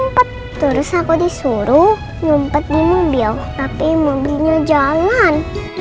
sempat terus aku disuruh nyumpet di mobil tapi mobilnya jalan